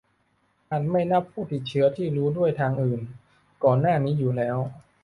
- อาจไม่นับผู้ติดเชื้อที่รู้ด้วยทางอื่นก่อนหน้านี้อยู่แล้ว